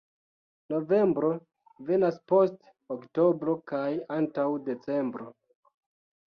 Novembro venas post oktobro kaj antaŭ decembro.